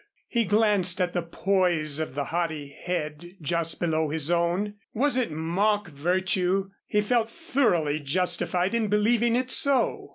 He glanced at the poise of the haughty head just below his own. Was it mock virtue? He felt thoroughly justified in believing it so.